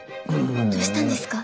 どうしたんですか？